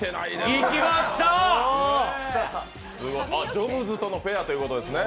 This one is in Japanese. ジョブズとのペアということですね。